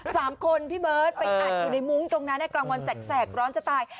สามคนพี่เบิร์ตไปอัดอยู่ในมุ้งตรงนั้นในกลางวันแสกร้อนจะตาย